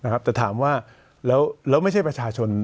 แต่ถามว่าแล้วไม่ใช่ประชาชน